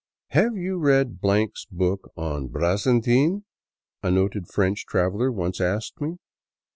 " Have you read *s book on Brazintine ?" a noted French traveler once asked me.